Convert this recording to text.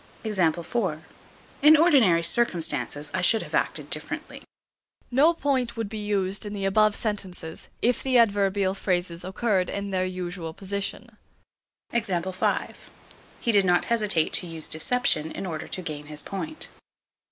In ordinary circumstances I should have acted differently. No point would be used in the above sentences, if the adverbial phrases occurred in their usual position. He did not hesitate to use deception in order to gain his point.